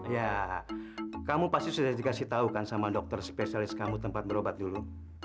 ya kamu pasti sudah dikasih tahu kan sama dokter spesialis kamu tempat berobat dulu